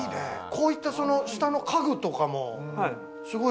こういった下の家具とかも。